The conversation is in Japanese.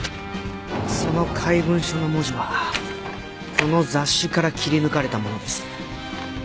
その怪文書の文字はこの雑誌から切り抜かれたものです。